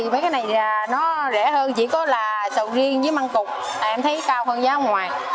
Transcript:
thì mấy cái này nó rẻ hơn chỉ có là sầu riêng với măng cục em thấy cao hơn giá ngoài